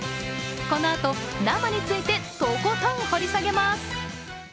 このあと生についてとことん掘り下げます。